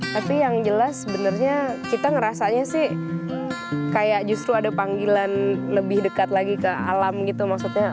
tapi yang jelas sebenarnya kita ngerasanya sih kayak justru ada panggilan lebih dekat lagi ke alam gitu maksudnya